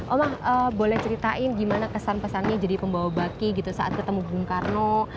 oma boleh ceritain gimana kesan pesannya jadi pembawa baki gitu saat ketemu bung karno